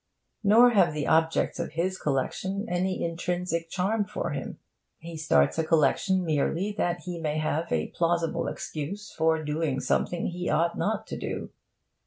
Nor have the objects of his collection any intrinsic charm for him. He starts a collection merely that he may have a plausible excuse for doing something he ought not to do.